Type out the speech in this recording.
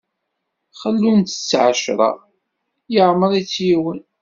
Xellun-tt ɛecṛa, yeɛmeṛ-itt yiwen.